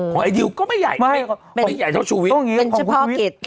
ของไอดิวก็ไม่ใหญ่ไม่ใหญ่เท่าชูวิศไม่เป็นช่วยพ่อกฤต